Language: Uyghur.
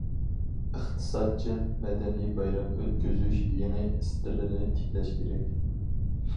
ئىقتىسادچىل، مەدەنىي بايرام ئۆتكۈزۈش يېڭى ئىستىلىنى تىكلەش كېرەك.